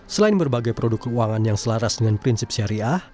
selain berbagai produk keuangan yang selaras dengan prinsip syariah